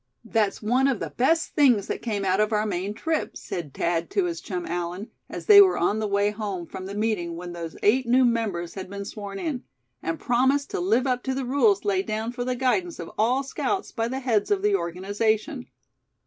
"That's one of the best things that came out of our Maine trip," said Thad to his chum Allan, as they were on the way home from the meeting when those eight new members had been sworn in, and promised to live up to the rules laid down for the guidance of all scouts by the heads of the organization.